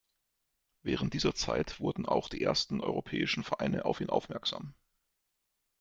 Während dieser Zeit wurden auch die ersten europäischen Vereine auf ihn aufmerksam.